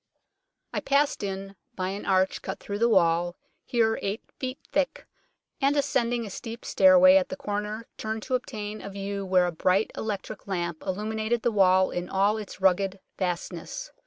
I passed in by an arch cut through the wall, here eight feet thick, and ascending a steep stair way at a corner turned to obtain a view where a bright electric lamp illuminated the wall in all its rugged vastness.